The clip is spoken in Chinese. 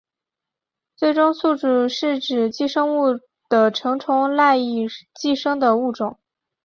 最终宿主是指寄生物的成虫赖以寄生的物种。